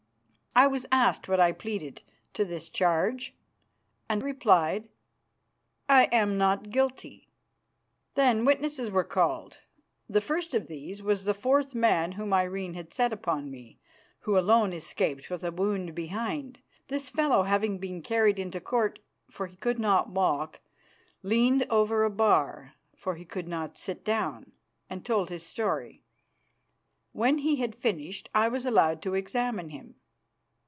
I was asked what I pleaded to this charge, and replied, "I am not guilty." Then witnesses were called. The first of these was the fourth man whom Irene had set upon me, who alone escaped with a wound behind. This fellow, having been carried into court, for he could not walk, leaned over a bar, for he could not sit down, and told his story. When he had finished I was allowed to examine him.